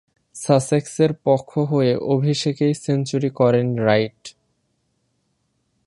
সাসেক্সের পক্ষ হয়ে অভিষেকেই সেঞ্চুরি করেন রাইট।